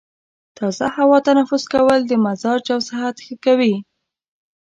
تازه هوا تنفس کول د مزاج او صحت ښه کوي.